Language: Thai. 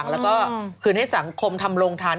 และก็กลิ่นให้สังคมทำลงทาน